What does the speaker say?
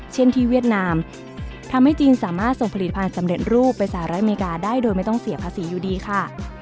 เช่นที่เวียดนามทำให้จีนสามารถส่งผลิตภัณฑ์สำเร็จรูปไปสหรัฐอเมริกาได้โดยไม่ต้องเสียภาษีอยู่ดีค่ะ